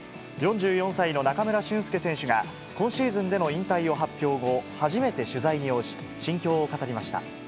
４４歳の中村俊輔選手が、今シーズンでの引退を発表後、初めて取材に応じ、心境を語りました。